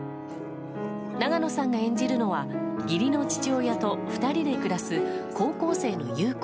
永野さんが演じるのは義理の父親と２人で暮らす高校生の優子。